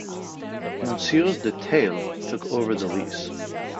Monsieur de Theil took over the lease.